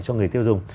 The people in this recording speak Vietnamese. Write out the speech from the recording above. cho người tiêu dùng